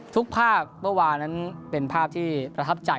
ทุกภาพเมื่อวานนั้นเป็นภาพที่ประทับใจ